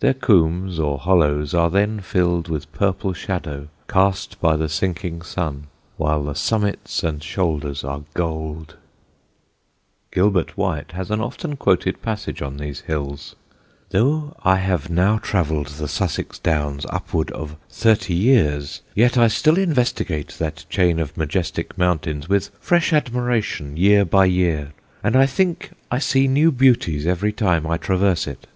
Their combes, or hollows, are then filled with purple shadow cast by the sinking sun, while the summits and shoulders are gold. [Sidenote: GILBERT WHITE IN SUSSEX] Gilbert White has an often quoted passage on these hills: "Though I have now travelled the Sussex downs upwards of thirty years, yet I still investigate that chain of majestic mountains with fresh admiration year by year, and I think I see new beauties every time I traverse it.